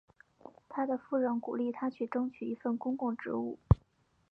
他的夫人鼓励他去争取一份公共职务。